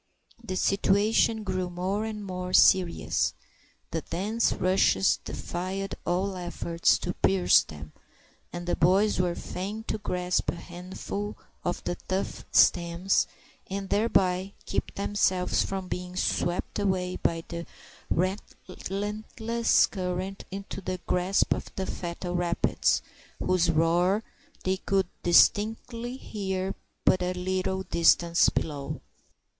The situation grew more and more serious. The dense rushes defied all efforts to pierce them, and the boys were fain to grasp a handful of the tough stems, and thereby keep themselves from being swept away by the relentless current into the grasp of the fatal rapids, whose roar they could distinctly hear but a little distance below.